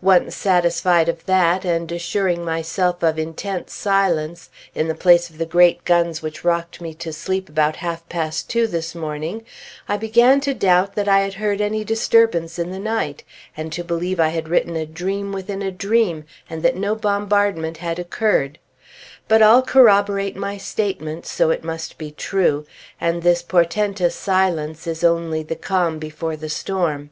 Once satisfied of that, and assuring myself of intense silence in the place of the great guns which rocked me to sleep about half past two this morning, I began to doubt that I had heard any disturbance in the night, and to believe I had written a dream within a dream, and that no bombardment had occurred; but all corroborate my statement, so it must be true, and this portentous silence is only the calm before the storm.